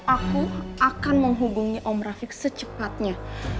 aku akan menghubungi om rafiq secepatnya